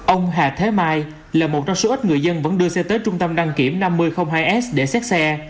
ông hà thế mai là một trong số ít người dân vẫn đưa xe tới trung tâm đăng kiểm năm mươi hai s để xét xe